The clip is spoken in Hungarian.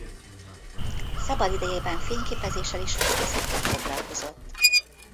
Szabad idejében fényképezéssel és festészettel foglalkozott.